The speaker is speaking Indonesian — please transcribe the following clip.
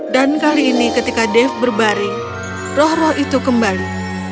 dan kali ini ketika dev berbaring roh roh itu kembali